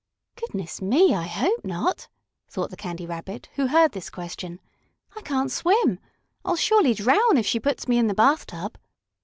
"Goodness me, I hope not!" thought the Candy Rabbit, who heard this question. "I can't swim! I'll surely drown if she puts me in the bathtub!"